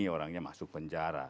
orangnya masuk penjara